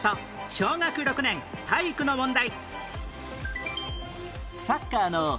小学６年体育の問題